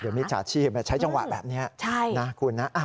เดี๋ยวมีชาติชีพมาใช้จังหวะแบบนี้นะคุณนะ